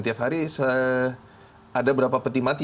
tiap hari ada berapa peti mati